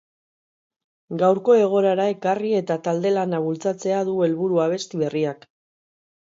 Gaurko egoerara ekarri eta talde lana bultzatzea du helburu abesti berriak.